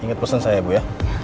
ingat person saya ya bu ya